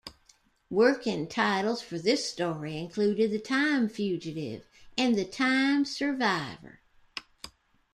Working titles for this story included "The Time Fugitive" and "The Time Survivor".